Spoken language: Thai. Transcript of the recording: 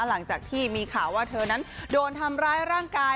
หลังจากที่มีข่าวว่าเธอนั้นโดนทำร้ายร่างกาย